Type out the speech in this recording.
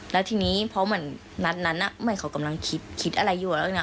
แล้วทีนี้เพราะเหมือนนัดนั้นเหมือนเขากำลังคิดคิดอะไรอยู่แล้ว